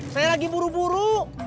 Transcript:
saya lagi buru buru